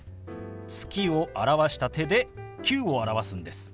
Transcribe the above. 「月」を表した手で「９」を表すんです。